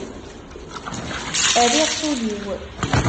Rriɣ s ul-iw.